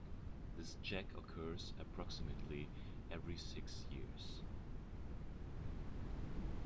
This check occurs approximately every six years.